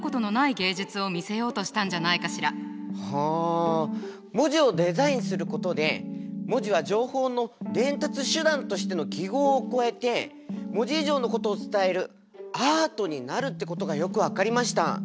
あ文字をデザインすることで文字は情報の伝達手段としての記号を超えて文字以上のことを伝えるアートになるってことがよく分かりました。